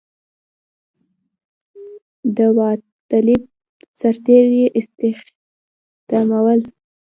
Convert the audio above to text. داوطلب سرتېري یې استخدامول.